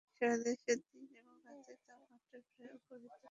সারা দেশে দিন এবং রাতের তাপমাত্রা প্রায় অপরিবর্তিত থাকতে পারে।